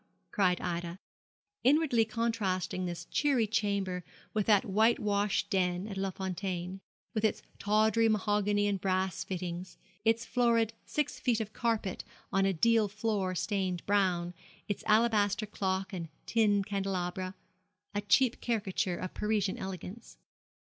cried Ida, inwardly contrasting this cheery chamber with that white washed den at Les Fontaines, with its tawdry mahogany and brass fittings, its florid six feet of carpet on a deal floor stained brown, its alabaster clock and tin candelabra a cheap caricature of Parisian elegance.